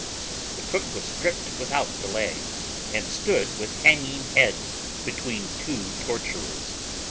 The cook was stripped without delay, and stood with hanging head, between two torturers.